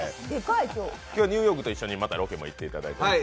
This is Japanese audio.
今日はニューヨークと一緒にまたロケに行っていただいて。